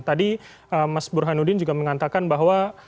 tadi mas burhanuddin juga mengatakan bahwa